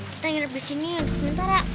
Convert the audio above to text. kita ngiram di sini untuk sementara